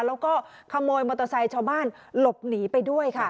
แล้วก็ขโมยมอเตอร์ไซค์ชาวบ้านหลบหนีไปด้วยค่ะ